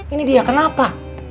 ini dia kenapa